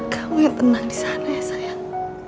kamu yang tenang disana ya sayang